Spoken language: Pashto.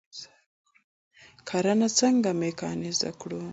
کرنه څنګه میکانیزه کړو؟